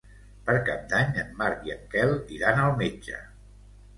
Per Cap d'Any en Marc i en Quel iran al metge.